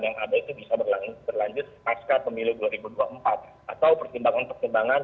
yang ada itu bisa berlanjut pasca pemilu dua ribu dua puluh empat atau pertimbangan pertimbangan